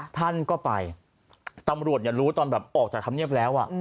ท่านก็ไปตำรวจรู้ตอนแบบออกจากธรรมเนียบแล้ว